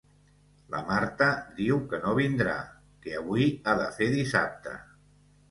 La Marta diu que no vindrà, que avui ha de fer dissabte.